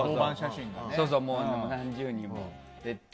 何十人も。